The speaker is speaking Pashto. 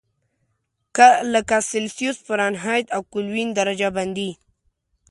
لکه سلسیوس، فارنهایت او کلوین درجه بندي.